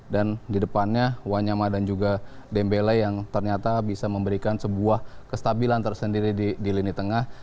dan di depannya wanyama dan juga dembele yang ternyata bisa memberikan sebuah kestabilan tersendiri di lini tengah